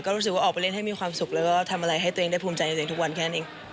รู้สึกว่าออกไปเล่นให้มีความสุขแล้วก็ทำอะไรให้ตัวเองได้ภูมิใจในตัวเองทุกวันแค่นั้นเอง